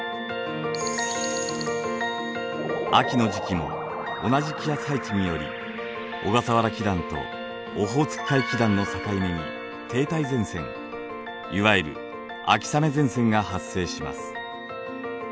秋の時期も同じ気圧配置により小笠原気団とオホーツク海気団の境目に停滞前線いわゆる秋雨前線が発生します。